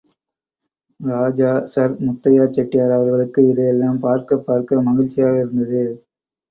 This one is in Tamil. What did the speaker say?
ராஜா சர் முத்தையா செட்டியார் அவர்களுக்கு இதையெல்லாம் பார்க்கப் பார்க்க மகிழ்ச்சியாக இருந்தது.